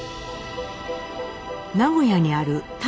名古屋にある舘